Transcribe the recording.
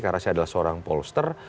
karena saya adalah seorang pollster